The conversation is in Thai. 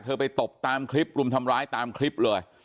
ไปตบตามคลิปรุมทำร้ายตามคลิปเลย